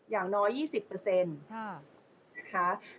อย่างน้อย๒๐นะคะ